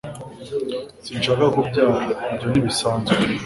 Sinshaka kubyara Ibyo ntibisanzwe